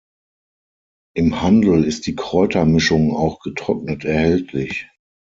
Im Handel ist die Kräuter-Mischung auch getrocknet erhältlich.